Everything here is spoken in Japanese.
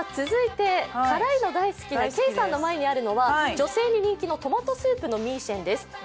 続いて、辛いの大好きなケイさんの前にあるのは女性に人気のトマトスープのミーシェンです。